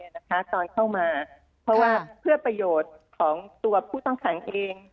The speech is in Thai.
ตอนเข้ามาเพราะว่าเพื่อประโยชน์ของตัวผู้ต้องขังเอง